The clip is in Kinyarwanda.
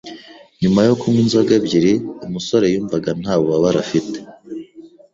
Nyuma yo kunywa inzoga ebyiri, umusore yumvaga nta bubabare afite.